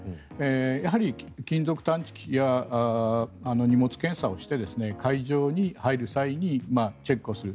やはり金属探知機や荷物検査をして会場に入る際にチェックをする。